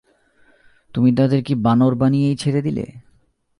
তুমি তাদের কি বানর বানিয়েই ছেড়ে দিলে!